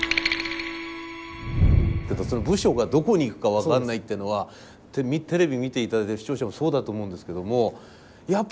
部署がどこに行くか分かんないっていうのはテレビ見て頂いてる視聴者もそうだと思うんですけどもやっぱそれはがっくりしますよね。